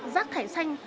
rác thải xanh